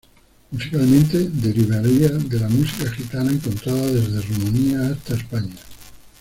Musicalmente derivaría de la música gitana encontrada desde Rumanía hasta España.